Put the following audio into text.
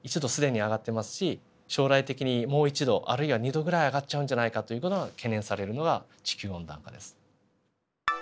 既に上がってますし将来的にもう１℃あるいは２℃ぐらい上がっちゃうんじゃないかという事が懸念されるのが地球温暖化です。